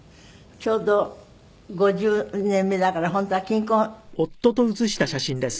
ちょうど５０年目だから本当は金婚式？